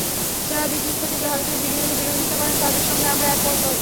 যাঁরা বিদ্যুৎ খাতে ভারতের বিনিয়োগের বিরোধিতা করেন, তাঁদের সঙ্গে আমরা একমত নই।